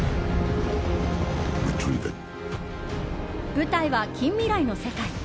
舞台は近未来の世界。